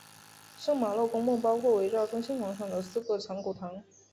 圣玛洛公墓包括围绕中心广场的四个藏骨堂。